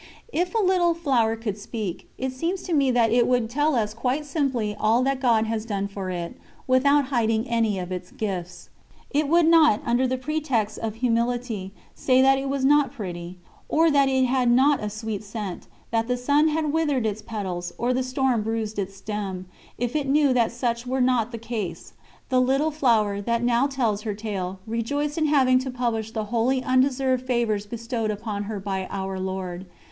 If a little flower could speak, it seems to me that it would tell us quite simply all that God has done for it, without hiding any of its gifts. It would not, under the pretext of humility, say that it was not pretty, or that it had not a sweet scent, that the sun had withered its petals, or the storm bruised its stem, if it knew that such were not the case. The Little Flower, that now tells her tale, rejoiced in having to publish the wholly undeserved favours bestowed upon her by Our Lord.